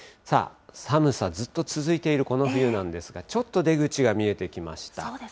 さあ、寒さ、ずっと続いているこの冬なんですが、ちょっと出口が見えてきました。